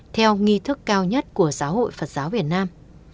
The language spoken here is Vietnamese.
theo nghi thức cao nhất của giáo hội phật giáo việt nam